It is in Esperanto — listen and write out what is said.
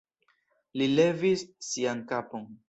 Li levis sian kapon.